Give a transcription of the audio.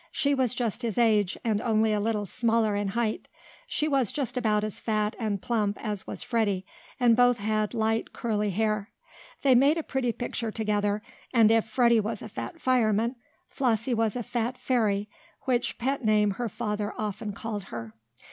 She was just his age, and only a little smaller in height. She was just about as fat and plump as was Freddie, and both had light curly hair. They made a pretty picture together, and if Freddie was a "fat fireman" Flossie was a "fat fairy," which pet name her father often called her.